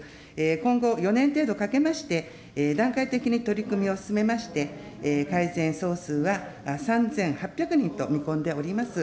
今後、４年程度かけまして、段階的に取り組みを進めまして、改善総数は３８００人と見込んでおります。